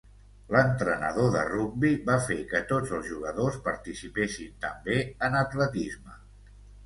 L'entrenador de rugbi va fer que tots els jugadors participessin també en atletisme.